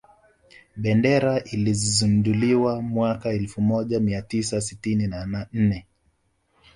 Bendera ilizinduliwa mwaka elfu moja mia tisa sitini na nne